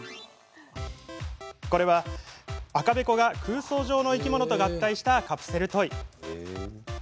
これは赤べこが空想上の生き物と合体した、カプセルトイ。